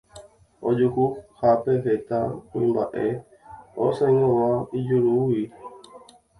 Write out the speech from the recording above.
Ojuhuhápe heta kuimba'e osãingóva ijajúrigui.